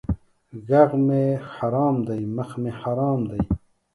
ږغ مې حرام دی مخ مې حرام دی!